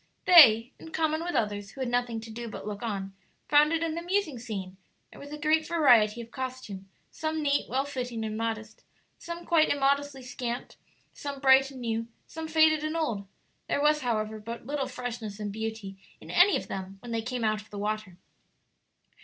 They, in common with others who had nothing to do but look on, found it an amusing scene; there was a great variety of costume, some neat, well fitting, and modest; some quite immodestly scant; some bright and new; some faded and old. There was, however, but little freshness and beauty in any of them when they came out of the water.